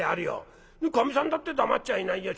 かみさんだって黙っちゃいないよ。